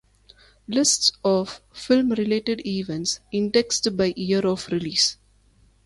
Lists of film related events indexed by year of release.